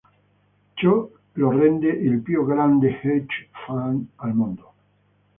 Ciò lo rende il più grande hedge fund al mondo.